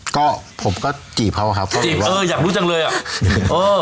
ก็ผมก็จีบเขาอะครับจีบเอออยากรู้จังเลยอ่ะเออ